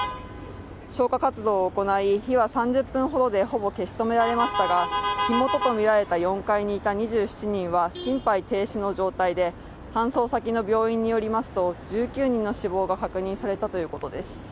消火活動を行い、火は３０分ほどで、ほぼ消し止められましたが火元とみられた４階にいた２７人は心肺停止の状態で、搬送先の病院によりますと、１９人の死亡が確認されたということです。